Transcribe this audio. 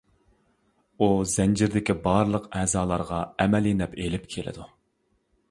ئۇ زەنجىردىكى بارلىق ئەزالارغا ئەمەلىي نەپ ئېلىپ كېلىدۇ.